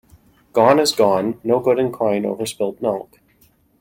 Gone is gone. No good in crying over spilt milk.